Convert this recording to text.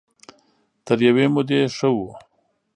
تر يوې مودې ښه وو.